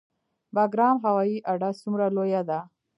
بګرام هوایي اډه څومره لویه ده؟